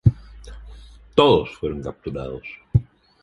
Todos fueron capturados.